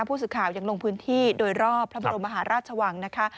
ผู้สื่อข่าวยังลงพื้นที่โดยรอบพระบรมมหาราชวังนะคะ